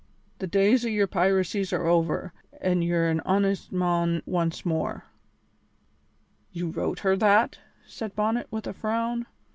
The days o' your piracies are over, an' ye're an honest mon once more." "You wrote her that?" said Bonnet, with a frown.